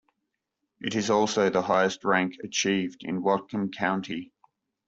It is also the highest rank achieved in Whatcom County.